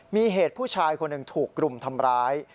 มีเหตุผู้ชายคนหนึ่งถูกกลุ่มทำร้าย